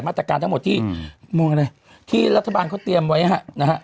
มาตรการทั้งหมดที่มองอะไรที่รัฐบาลเขาเตรียมไว้ฮะนะฮะ